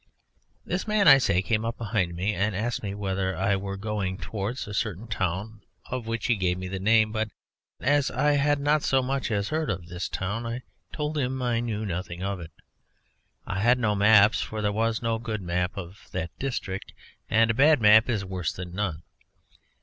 This man, I say, came up behind me and asked me whether I were going towards a certain town of which he gave me the name, but as I had not so much as heard of this town I told him I knew nothing of it. I had no map, for there was no good map of that district, and a bad map is worse than none.